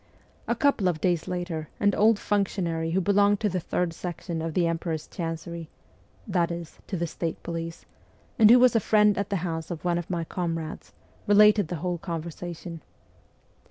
A couple of days later, an old functionary who belonged to the Third Section of the emperor's chancery that is, to the state police and who was a friend at the house of one of my comrades, related the whole conversation.